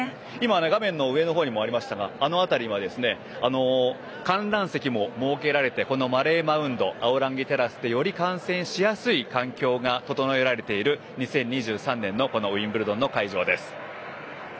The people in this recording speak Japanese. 画面の上の方にもありましたがあの辺りは観覧席も設けられてマレー・マウントアオランギテラスでより観戦しやすい環境が整えられている２０２３年のウィンブルドンの会場です。